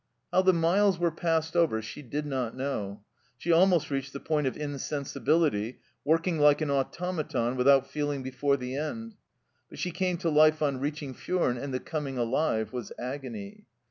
How the miles were passed over she did not know. She almost reached the point of insensibility, working like an automaton without feeling before the end ; but she came to life on reaching Furnes, and the coming alive was agony.